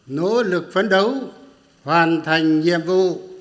nỗ lực phấn đấu hoàn thành nhiệm vụ